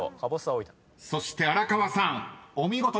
［そして荒川さんお見事でした］